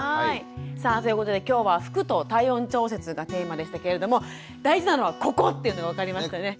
さあということで今日は「服と体温調節」がテーマでしたけれども大事なのはここっていうのが分かりましたね。